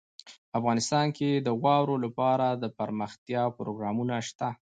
افغانستان کې د واوره لپاره دپرمختیا پروګرامونه شته.